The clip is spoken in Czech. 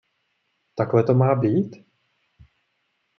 Takhle to má být?